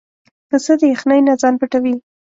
پسه د یخنۍ نه ځان پټوي.